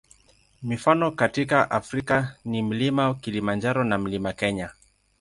Mifano katika Afrika ni Mlima Kilimanjaro na Mlima Kenya.